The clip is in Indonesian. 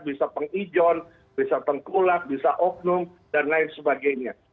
bisa penghijon bisa pengkulak bisa oknum dan lain sebagainya